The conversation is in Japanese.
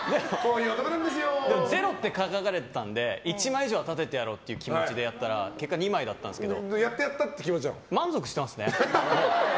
ゼロって書かれてたので１枚以上は立ててやろうっていう気持ちでやったら結果２枚だったんですけど。